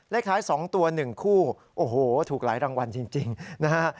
เลขท้าย๒ตัว๑คู่โอ้โหถูกหลายรางวัลจริงนะฮะ